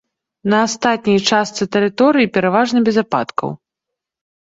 На астатняй частцы тэрыторыі пераважна без ападкаў.